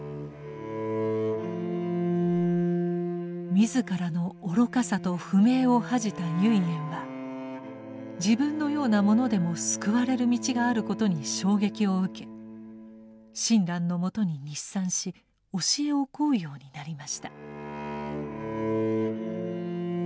自らの愚かさと不明を恥じた唯円は自分のような者でも救われる道があることに衝撃を受け親鸞のもとに日参し教えを請うようになりました。